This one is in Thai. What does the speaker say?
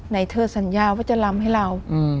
เธอสัญญาว่าจะลำให้เรา